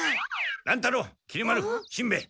乱太郎きり丸しんべヱ。